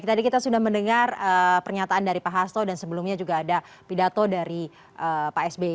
tadi kita sudah mendengar pernyataan dari pak hasto dan sebelumnya juga ada pidato dari pak sby